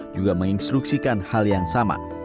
juga menginstruksikan hal yang sama